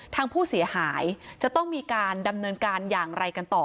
ทางผู้เสียหายจะต้องมีการดำเนินการอย่างไรกันต่อ